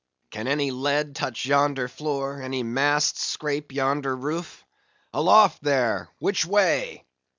Can any lead touch yonder floor, any mast scrape yonder roof?—Aloft there! which way?"